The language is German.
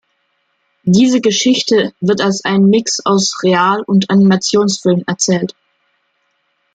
Diese Geschichte wird als ein Mix aus Real- und Animationsfilm erzählt.